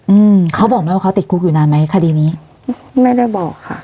อืมเขาบอกไหมว่าเขาติดคุกอยู่นานไหมคดีนี้ไม่ได้บอกค่ะ